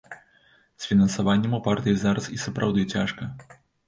З фінансаваннем у партыі зараз і сапраўды цяжка.